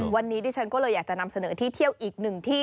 วันนี้ดิฉันก็เลยอยากจะนำเสนอที่เที่ยวอีกหนึ่งที่